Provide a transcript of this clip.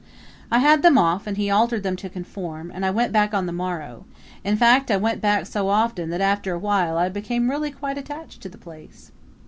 I had them off and he altered them to conform, and I went back on the morrow; in fact I went back so often that after a while I became really quite attached to the place.